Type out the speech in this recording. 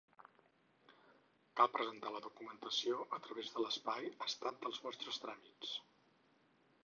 Cal presentar la documentació a través de l'espai Estat dels vostres tràmits.